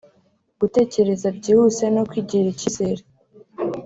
gutekereza byihuse no kwigirira icyizere